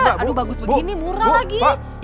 aduh bagus begini murah lagi